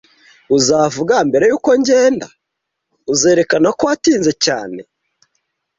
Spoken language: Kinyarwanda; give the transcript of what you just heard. Uzavuga mbere yuko ngenda? uzerekana ko watinze cyane?